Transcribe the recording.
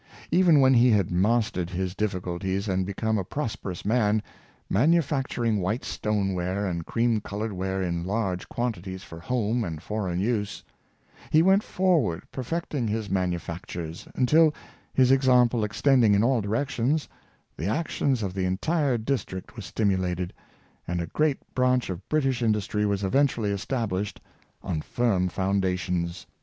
Even when he had mastered his difficulties, and become a prosperous man — manufacturing white stone ware and cream colored ware in large quantities for home and foreign use — he went forward perfecting his manu factures, until, his example extending in all directions, the action of the entire district was stimulated, and a great branch of British industry was eventually estab lished on firm foundations.